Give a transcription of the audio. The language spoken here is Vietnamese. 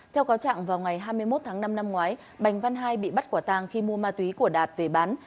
theo cáo trạng vào ngày hai mươi một tháng năm năm ngoái bành văn hai bị bắt quả tàng khi mua ma túy của đạt về bán